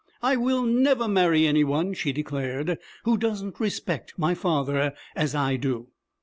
'I will never marry any one,' she declared, 'who doesn't respect my father as I do!'